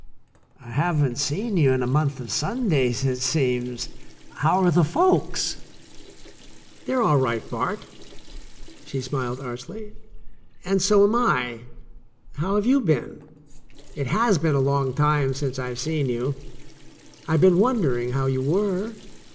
"I haven't seen you in a month of Sundays, it seems. How are the folks?" "They're all right, Bart," she smiled archly, "and so am I. How have you been? It has been a long time since I've seen you. I've been wondering how you were.